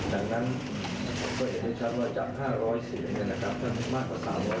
ดังนั้นก็จะเห็นให้ชัดว่าจับ๕๐๐เสียงในการกลับ